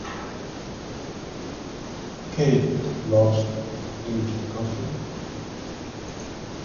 Unidentified carcasses are often called globsters.